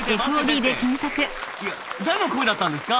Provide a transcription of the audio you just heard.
誰の声だったんですか？